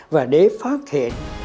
và để phát hiện